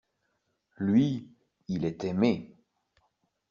Lui, il est aimé.